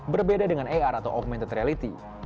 berbeda dengan ar atau augmented reality